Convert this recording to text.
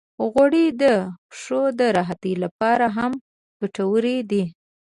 غوړې د پښو د راحتۍ لپاره هم ګټورې دي.